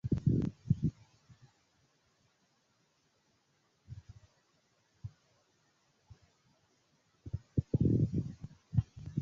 Kiel kaŭzo de la eksplodo estas diskuto pri ebla ŝtelo de benzino.